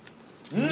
うん。